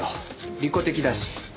利己的だし。